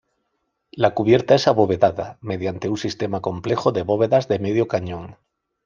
La cubierta es abovedada, mediante un sistema complejo de bóvedas de medio cañón.